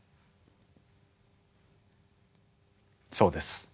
そうです。